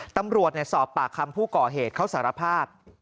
ตำรวจสอบปากคำผู้ก่อเหตุเขาสารภาพ